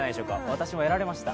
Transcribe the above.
私もやられました。